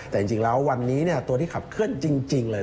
แต่จริงแล้ววันนี้ตัวที่ขับเคลื่อนจริงเลย